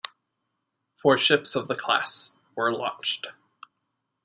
Four ships of the class were launched.